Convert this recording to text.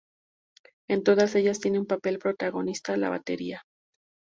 En todas ellas tiene un papel protagonista la batería.